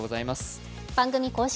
番組公式